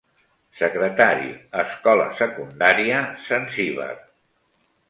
Secretari, Escola Secundària Zanzibar.